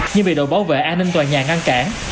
nhưng bị đội bảo vệ an ninh tòa nhà ngăn cản